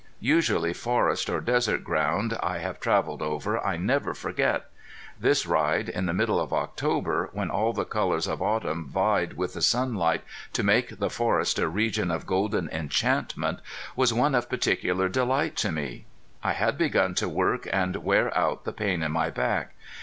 Usually forest or desert ground I have traveled over I never forget. This ride, in the middle of October, when all the colors of autumn vied with the sunlight to make the forest a region of golden enchantment, was one of particular delight to me. I had begun to work and wear out the pain in my back.